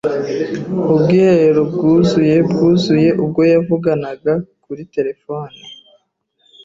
Ubwiherero bwuzuye bwuzuye ubwo yavuganaga kuri terefone.